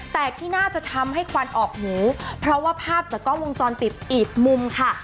แต่ที่น่าจะทำให้ควันออกหูเพราะว่าภาพจากกล้องวงจรปิดอีกมุมค่ะ